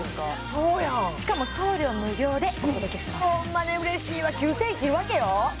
そうやんしかも送料無料でお届けしますホンマに嬉しいわ９０００円切るわけよ